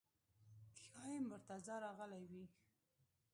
ښایي مرتضی راغلی وي.